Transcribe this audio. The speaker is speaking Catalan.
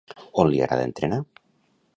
On li agrada entrenar?